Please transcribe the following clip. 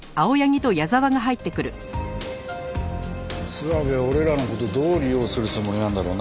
諏訪部は俺らの事をどう利用するつもりなんだろうな。